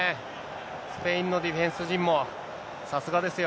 スペインのディフェンス陣もさすがですよ。